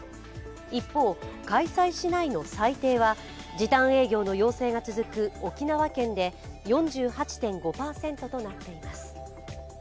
一方、開催しないの最低は時短営業の要請が続く沖縄県で４８．５％となっています。